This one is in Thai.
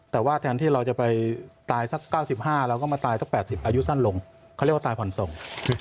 แต่ว่าแทนที่เราจะไปตายสัก๙๕เราก็มาตายสัก๘๐อายุสั้นลงเขาเรียกว่าตายผ่อนส่ง